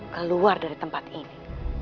keluar dari tempat ini